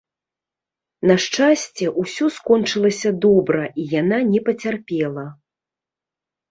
На шчасце, усё скончылася добра і яна не пацярпела.